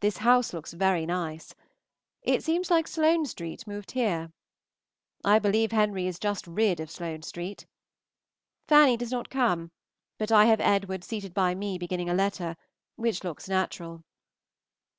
This house looks very nice. It seems like Sloane Street moved here. I believe Henry is just rid of Sloane Street. Fanny does not come, but I have Edward seated by me beginning a letter, which looks natural.